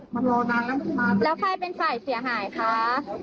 มันรอนานแล้วมันไม่มาแล้วใครเป็นสัตว์เสียหายคะ